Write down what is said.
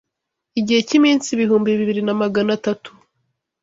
igihe cy’iminsi ibihumbi bibiri na Magana atatu